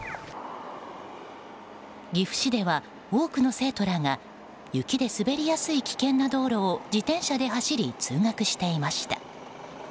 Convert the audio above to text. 岐阜市では多くの生徒らが雪で滑りやすい危険な道路を自転車で走り通学していました。